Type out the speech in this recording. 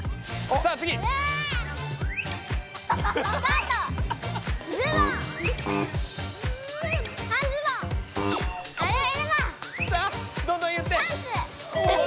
さあどんどん言って！